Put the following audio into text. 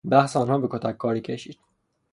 بحث آنها به کتککاری کشید.